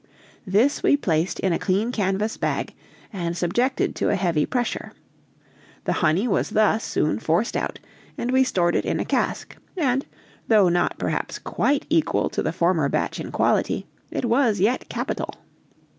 This we placed in a clean canvas bag, and subjected to a heavy pressure. The honey was thus soon forced out, and we stored it in a cask, and, though not perhaps quite equal to the former batch in quality, it was yet capital.